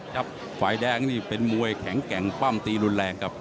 ฝ่ายแดงนี่เป็นมวยแข็งแกร่งปั้มตีรุนแรงครับ